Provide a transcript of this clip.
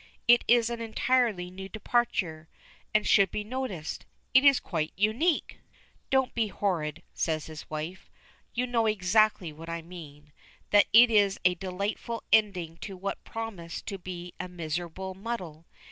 It is an entirely new departure, and should be noticed. It is quite unique!" "Don't be horrid," says his wife. "You know exactly what I mean that it is a delightful ending to what promised to be a miserable muddle.